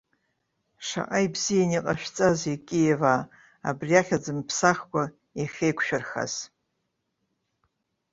Шаҟа ибзианы иҟашәҵазеи киеваа, абри ахьӡ мԥсахкәа иахьеиқәшәырхаз!